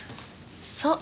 そう。